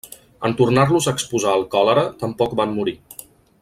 En tornar-los a exposar al còlera tampoc van morir.